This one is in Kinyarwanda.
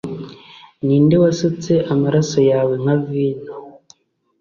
Ninde wasutse amaraso yawe nka vino